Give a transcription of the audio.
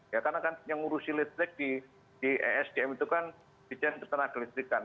ya karena kan yang ngurusi elektrik di esdm itu kan dirjen keteragakalistikan